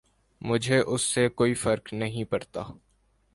مجھے اس سے کوئی فرق نہیں پڑتا